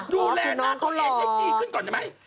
ดูแลหน้าเขาแยกขึ้นก่อนใช่ไหม